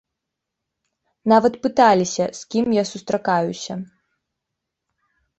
Нават пыталіся, з кім я сустракаюся.